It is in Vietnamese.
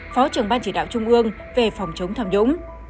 phó trường ban chỉ đạo trung ương về phòng chống tham dũng